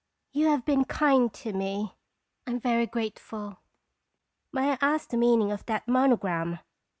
"You have been kind to me. I am very grateful. May I ask the meaning of that mon ogram?"